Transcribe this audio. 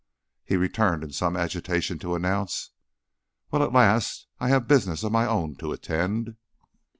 He returned in some agitation to announce: "Well, at last I have business of my own to attend."